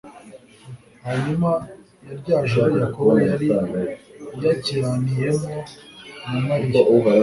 Hanyuma ya rya joro Yakobo yari yakiraniyemo na malayika,